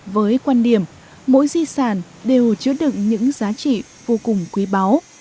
với quan điểm mỗi di sản đều chứa đựng những giá trị vô cùng quý báu